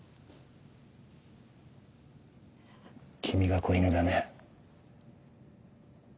君が子犬だね？